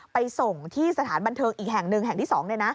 ไปส่งที่สถานบันเทิงอีกแห่งหนึ่งแห่งที่๒